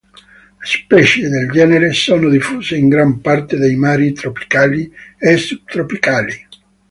Le specie del genere sono diffuse in gran parte dei mari tropicali e subtropicali.